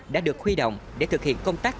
đã được khuy động để thực hiện công tác